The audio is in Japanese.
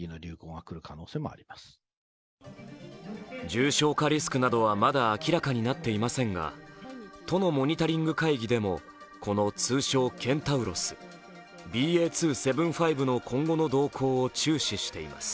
重症化リスクなどはまだ明らかになっていませんが都のモニタリング会議でもこの通称ケンタウロス、ＢＡ．２．７５の今後の動向を注視しています。